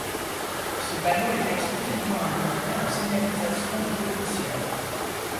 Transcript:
Ce panneau est exclusivement implanté en signalisation de position.